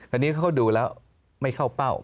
อันนี้เขาก็ดูแล้วไม่เข้าเป้า